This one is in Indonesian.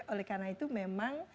oleh karena itu memang